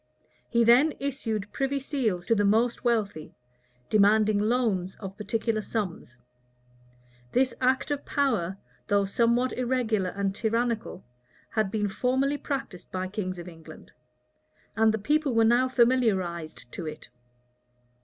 He then issued privy seals to the most wealthy, demanding loans of particular sums: this act of power, though somewhat irregular and tyrannical, had been formerly practised by kings of England; and the people were now familiarized to it.